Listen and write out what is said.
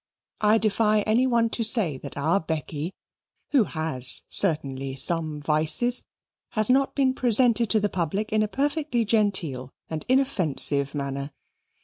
I defy any one to say that our Becky, who has certainly some vices, has not been presented to the public in a perfectly genteel and inoffensive manner.